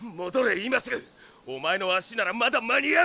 今すぐおまえの脚ならまだ間に合う！